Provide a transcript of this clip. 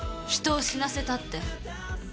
人を死なせたって。